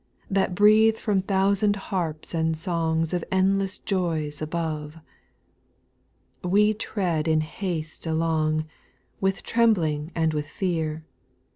That breathe from thousand harps and songs Of endless joys above. We tread in haste along, With trembling and with fear.